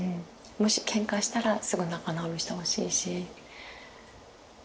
もしケンカしたらすぐ仲直りしてほしいしうん。